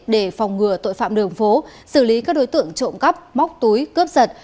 để phòng ngừa tội phạm đường phố xử lý các đối tượng trộm cắp móc túi cướp giật